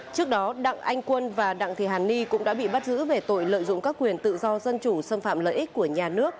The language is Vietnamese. trước đó đặng anh quân và đặng thị hàn ni cũng đã bị bắt giữ về tội lợi dụng các quyền tự do dân chủ xâm phạm lợi ích của nhà nước